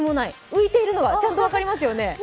浮いているのがちゃんと分かりますよね。